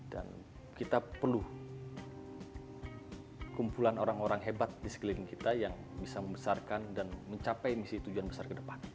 dan kita perlu kumpulan orang orang hebat di sekeliling kita yang bisa membesarkan dan mencapai misi tujuan besar ke depan